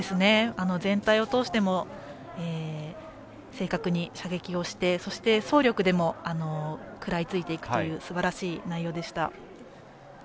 全体を通しても正確に射撃をしてそして、走力でも食らいついていくというすばらしい内容でした。